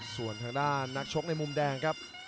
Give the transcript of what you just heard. ส่วนทางด้านนักชกในมุมแดงครับ